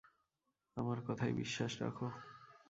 আমার কথায় বিশ্বাস রাখো।